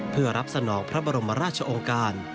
เพื่อรับสนองพระบรมราชองค์การ